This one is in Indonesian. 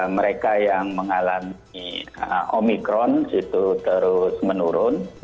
mereka yang mengalami omikron itu terus menurun